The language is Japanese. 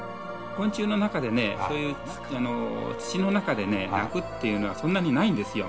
昆虫の中でね、そういう土の中で鳴くっていうのはそんなにないんですよ。